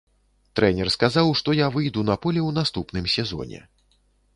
Трэнер сказаў, што я выйду на поле ў наступным сезоне.